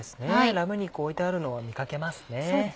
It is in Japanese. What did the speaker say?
ラム肉置いてあるのを見かけますね。